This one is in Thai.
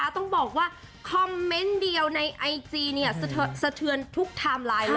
ต้องบอกว่าคอมเมนต์เดียวในไอจีสะเทือนทุกไทม์ไลน์เลย